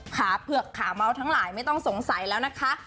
เผือกขาเมาส์ทั้งหลายไม่ต้องสงสัยแล้วนะคะ